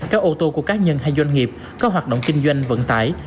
các ô tô của cá nhân hay doanh nghiệp có hoạt động kinh doanh vận tải